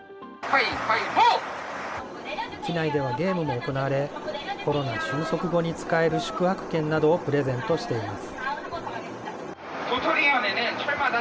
機内ではゲームも行われ、コロナ終息後に使える宿泊券などをプレゼントしています。